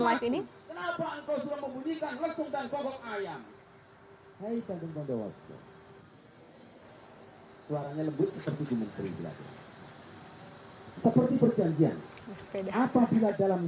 ini hai tanggung jawab hai suaranya lebih seperti di mungkiri lagi seperti perjanjian apabila dalam